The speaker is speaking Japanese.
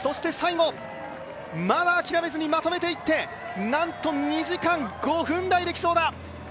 そして最後、まだ諦めずにまとめていってなんと２時間５分台でいきそうだ！